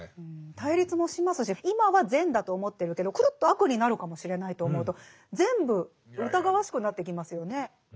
対立もしますし今は善だと思ってるけどくるっと悪になるかもしれないと思うと全部疑わしくなってきますよね。